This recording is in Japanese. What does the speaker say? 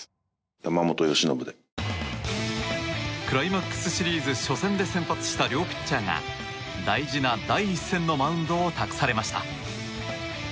クライマックスシリーズ初戦で先発した両ピッチャーが大事な第１戦のマウンドを託されました。